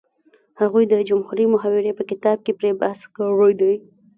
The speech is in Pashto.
هغه د جمهوري محاورې په کتاب کې پرې بحث کړی دی